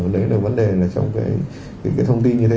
đấy là vấn đề là trong cái thông tin như thế